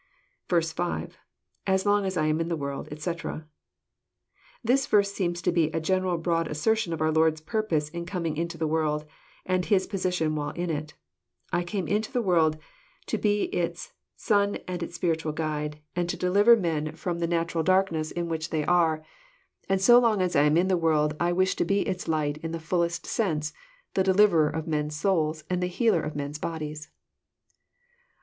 •.— [^As long as lam in the world, etc"] This verse seems to be a general broad assertion of our Lord's purpose in coming into the world, and His position while in it. " I came into the world to be its Sin and spiritual Guide, and to deliver men from the 144 EXPOSITORY THOUGHTS. natural darkness in which they are ; and so long as I am In the world I wish to be its Light in the fallest sense, the Deliverer of men*8 souls and the Healer of men's bodies.